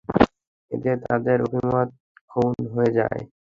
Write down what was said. এতে তাদের অভিমত খণ্ডন হয়ে যায়।